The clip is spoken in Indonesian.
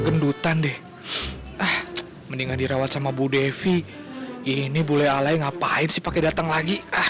gendutan deh mendingan dirawat sama bu devi ini bule alai ngapain sih pakai datang lagi ah